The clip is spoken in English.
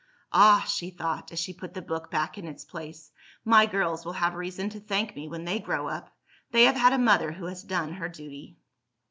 "Ah!" she thought, as she put the book back in its place, "my girls will have reason to thank me when they grow up; they have had a mother who has done her duty."